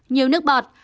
nhiều nước bọt